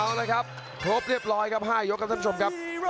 เอาล่ะครับครบเรียบร้อยครับ๕ยกเมื่อสัมผัสครับ